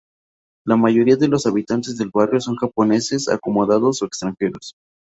La mayoría de los habitantes del barrio son japoneses acomodados o extranjeros.